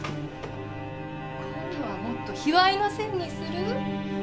今度はもっと卑猥な線にする？